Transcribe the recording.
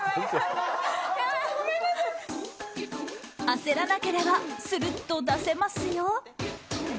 焦らなければするっと出せますよ。